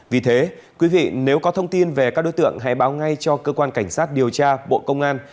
vì thế quý vị nếu có thông tin về các đối tượng hãy báo ngay cho cơ quan cảnh sát điều tra bộ công an